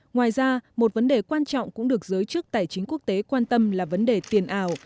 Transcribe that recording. ngoài ra một vấn đề quan trọng cũng được giới chức tài chính quốc tế quan tâm là vấn đề tiền ảo